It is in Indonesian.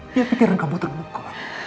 biar pikiran kamu terbuka